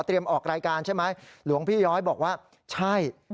ออกรายการใช่ไหมหลวงพี่ย้อยบอกว่าใช่